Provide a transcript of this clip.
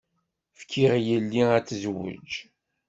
Fkiɣ yelli ad tezweǧ.